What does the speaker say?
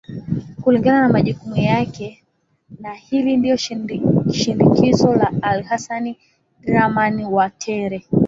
kulingana na majukumu yake na hili ndio shindikizo la alhasan draman watere